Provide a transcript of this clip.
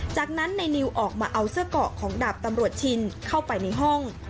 จากนั้นนายนิวออกมาเอาเสื้อเกาะของดาบตำรวจชินเข้าไปในห้อง